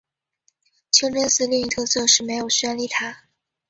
清真寺另一特色是没有宣礼塔。